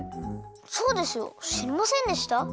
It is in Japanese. そうですよしりませんでした？